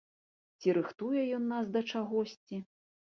Ці рыхтуе ён нас да чагосьці?